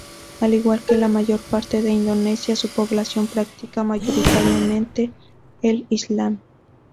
Al igual que la mayor parte de Indonesia, su población practica mayoritariamente el Islam.